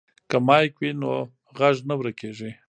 که مایک وي نو غږ نه ورکیږي.